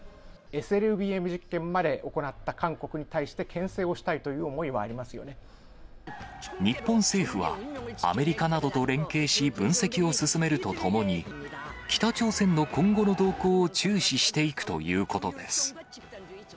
ＳＬＢＭ実験まで行った韓国に対してけん制をしたいという思いは日本政府は、アメリカなどと連携し、分析を進めるとともに、北朝鮮の今後の動向を注視していくということです。